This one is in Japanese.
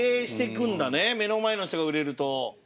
目の前の人が売れると。